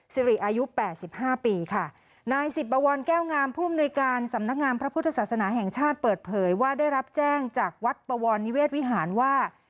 สิริอายุแปดสิบห้าปีค่ะนายสิบบวรแก้วงามผู้อำนวยการสำนักงามพระพุทธศาสนาแห่งชาติเปิดเผยว่าได้รับแจ้งจากวัดปวรนิเวศวิหารว่า